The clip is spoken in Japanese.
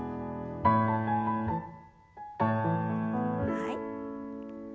はい。